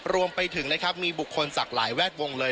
รวมไปถึงนะครับมีบุคคลจากหลายแวดวงเลย